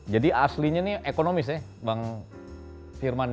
jadi aslinya nih ekonomis ya bank firmannya